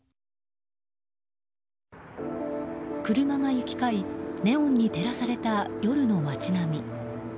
車が行き交いネオンに照らされた夜の街並み。